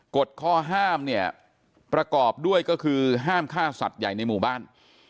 กฎข้อห้ามเนี่ยประกอบด้วยก็คือห้ามฆ่าสัตว์ใหญ่ในหมู่บ้าน